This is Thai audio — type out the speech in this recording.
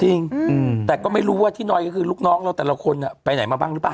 จริงแต่ก็ไม่รู้ว่าที่นอนก็คือลูกน้องเราแต่ละคนไปไหนมาบ้างหรือเปล่า